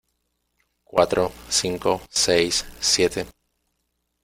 cuatro, cinco , seis , siete